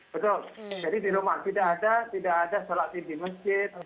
betul jadi di rumah tidak ada sholat i di masjid